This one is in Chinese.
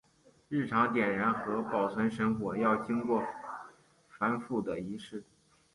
日常点燃和保存神火要经过繁复的仪式。